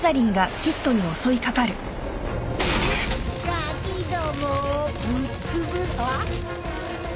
ガキどもをぶっつぶん？